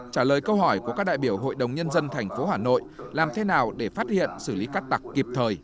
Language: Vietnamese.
trả lời câu hỏi của các đại biểu hội đồng nhân dân tp hà nội làm thế nào để phát hiện xử lý cắt tặc kịp thời